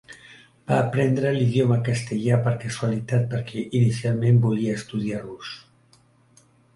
Va aprendre l'idioma castellà per casualitat perquè inicialment volia estudiar rus.